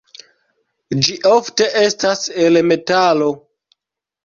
Ĝi ofte estas el metalo.